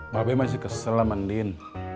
mabek masih kesel sama ndin